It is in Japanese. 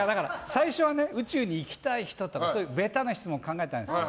最初は宇宙に行きたい人とかベタな質問考えたんですよ。